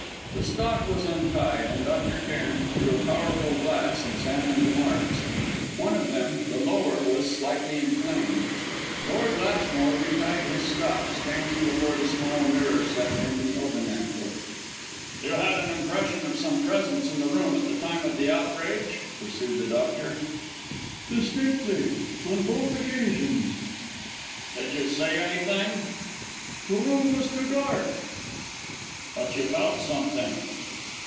The stock was untied; and Dr. Cairn, through a powerful glass, examined the marks. One of them, the lower, was slightly inflamed. Lord Lashmore retied his stock, standing before the small mirror set in the overmantel. "You had an impression of some presence in the room at the time of the outrage?" pursued the doctor. "Distinctly; on both occasions." "Did you see anything?" "The room was too dark." "But you felt something?"